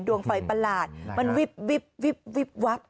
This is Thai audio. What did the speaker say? ดวงไฟประหลาดมันวิบวิบวับ